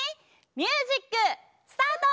ミュージックスタート！